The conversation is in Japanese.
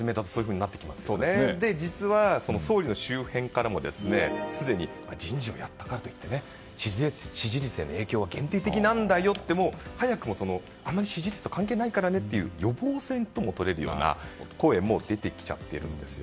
実は、総理の周辺からも人事をやったからといって支持率への影響は限定的なんだよと早くも、あまり支持率は関係ないからねという予防線ともとれるような声も出てきちゃっているんですよ。